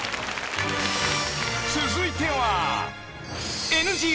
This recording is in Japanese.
［続いては］